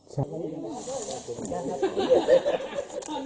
สวัสดีครับ